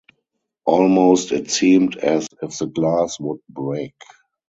Almost it seemed as if the glass would break.